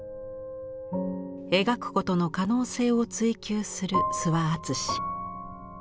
描くことの可能性を追求する諏訪敦。